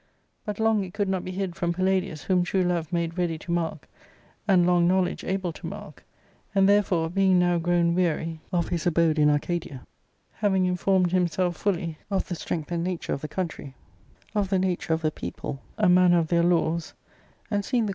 But long it could not be hid from Palladlus, whom true love made ready to mark, and long kno\ '^ I'^e able to mark ; and therefore, beiilg now grown wearyT^ abode in Arcadia, having informed himself fully kj^ \ strength and riches of the country, of the nature of ^ people, and manner of their laws, and seeing the cc.